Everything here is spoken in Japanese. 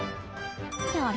ってあれ？